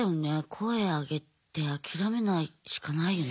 声あげて諦めないしかないよね。